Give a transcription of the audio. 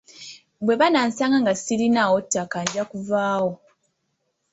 Bwe banaasanga nga sirinaawo ttaka nja kuvaawo.